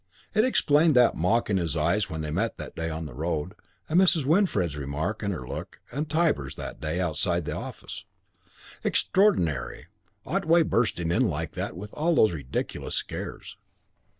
It explained that mock in his eyes when they met that day on the road, and Mrs. Winfred's remark and her look, and Tybar's, that day outside the office. Extraordinary, Otway bursting in like that with all those ridiculous scares.